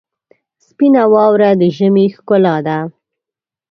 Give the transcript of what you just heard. سپینه واوره د ژمي ښکلا ده.